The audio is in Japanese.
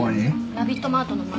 ラビットマートの前。